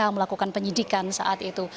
melakukan penyidikan saat itu